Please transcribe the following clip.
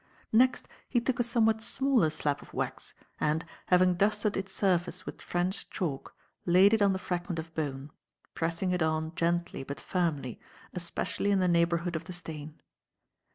Next, he took a somewhat smaller slab of wax and, having dusted its surface with French chalk, laid it on the fragment of bone, pressing it on gently but firmly, especially in the neighbourhood of the stain.